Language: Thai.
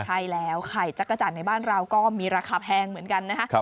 ใช่แล้วไข่จักรจันทร์ในบ้านเราก็มีราคาแพงเหมือนกันนะครับ